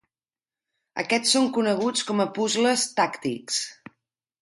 Aquests són coneguts com a puzles tàctics.